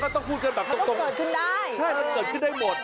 ใช่ก็ต้องเกิดขึ้นได้หมด